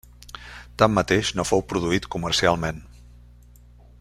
Tanmateix no fou produït comercialment.